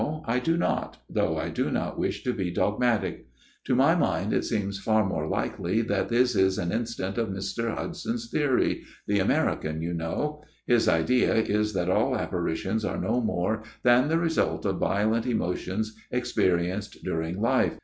I do not ; though I do not wish to be dogmatic. To my mind it seems far more likely that this is an instance of Mr. Hudson's theory the American, you know. His idea is that all apparitions are no more than the result of violent emotions experienced during life.